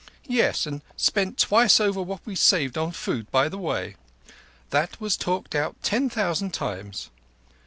"Yes—and spent twice over what we saved on food by the way. That was talked out ten thousand times."